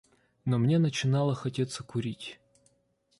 Но мне начинало хотеться курить.